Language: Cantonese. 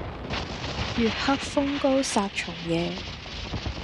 月黑風高殺蟲夜